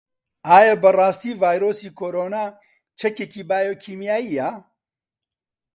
ئایا بەڕاستی ڤایرۆسی کۆرۆنا چەکێکی بایۆکیمیایییە؟